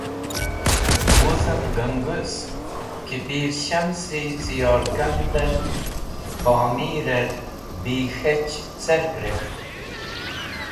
Wuzẽm gangus ki pir Shamsi cẽ yorkandẽn Pomirẽr bi k̃hech cerg rek̃hk?